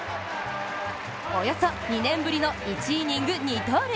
およそ２年ぶりの１イニング二刀流。